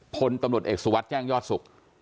พลตำรวจเอกสุวัสดิ์แจ้งยอดสุข